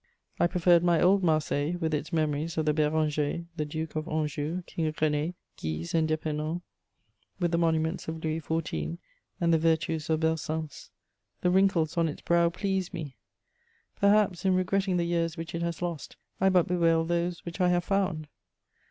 I preferred my old Marseilles, with its memories of the Bérengers, the Duke of Anjou, King René, Guise and d'Épernon, with the monuments of Louis XIV. and the virtues of Belsunce: the wrinkles on its brow pleased me. Perhaps, in regretting the years which it has lost, I but bewail those which I have found.